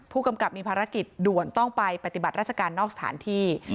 ผู้มีภารกิจด่วนต้องไปปฏิบัติรัฐการณ์นอกสถานที่